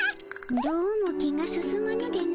どうも気が進まぬでの。